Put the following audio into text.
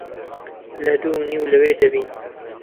لە دوو و نیو لەوێ دەبین.